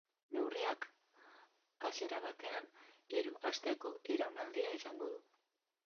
Neurriak, hasiera batean, hiru asteko iraunaldia izango du.